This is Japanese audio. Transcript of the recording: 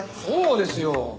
そうですよ！